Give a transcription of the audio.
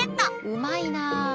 うまいな。